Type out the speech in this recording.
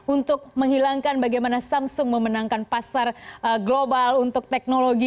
untuk menghilangkan bagaimana samsung memenangkan pasar global untuk teknologi